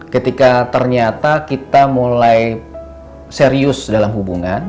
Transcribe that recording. ketika ternyata kita mulai serius dalam hubungan